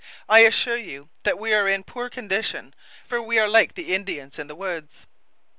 I assure you that we are in poor condition, for we are like the Indians in the woods.